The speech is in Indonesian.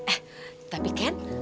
eh tapi ken